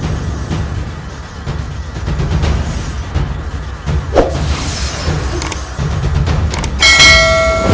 salam nyai ratu dewi samudera